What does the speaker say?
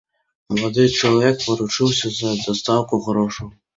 Малады чалавек паручыўся за дастаўку грошай.